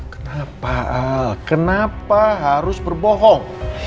kenapa kenapa harus berbohong